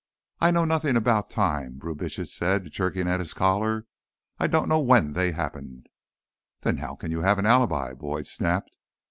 "I know nothing about time," Brubitsch said, jerking at his collar. "I don't know when they happened." "Then how can you have an alibi?" Boyd snapped.